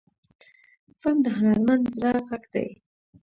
فلم د هنرمند زړه غږ دی